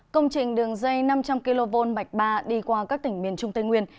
công trình đường dây năm trăm linh kv mạch ba đi qua các tỉnh miền trung tây nguyên